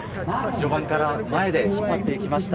序盤から前で引っ張っていきました。